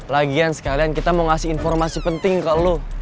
lagian sekalian kita mau ngasih informasi penting ke lo